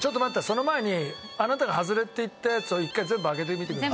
その前にあなたがはずれって言ったやつを１回全部開けてみてください。